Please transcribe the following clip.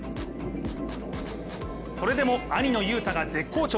それでも兄の雄太が絶好調！